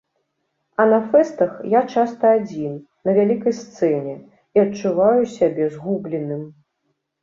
А на фэстах я часта адзін, на вялікай сцэне, і адчуваю сябе згубленым.